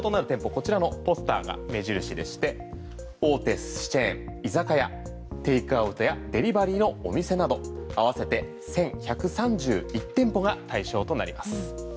こちらのポスターが目印でして大手寿司チェーン、居酒屋テイクアウトやデリバリーのお店など合わせて１１３１店舗が対象となります。